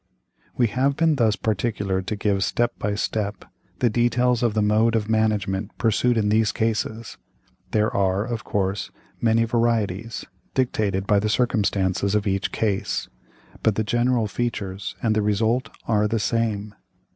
"We have been thus particular to give, step by step, the details of the mode of management pursued in these cases. There are, of course, many varieties, dictated by the circumstances of each case, but the general features and the result, are the same.